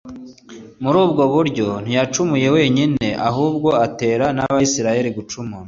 Muri ubwo buryo ntuyacumuye wenyine ahubwo atera nAbisirayeli gucumura